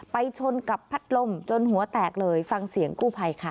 ชนกับพัดลมจนหัวแตกเลยฟังเสียงกู้ภัยค่ะ